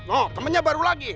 noh temennya baru lagi